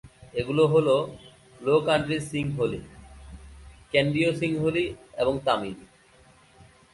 এগুলো হলো: low country Sinhalese, Kandyan সিংহলী এবং তামিল।